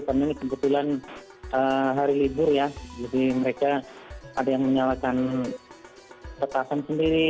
karena ini kebetulan hari libur ya jadi mereka ada yang menyalakan petasan sendiri